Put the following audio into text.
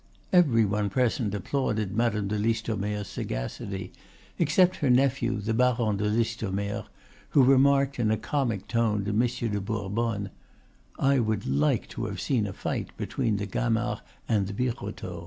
Every one present applauded Madame de Listomere's sagacity, except her nephew the Baron de Listomere, who remarked in a comic tone to Monsieur de Bourbonne, "I would like to have seen a fight between the Gamard and the Birotteau."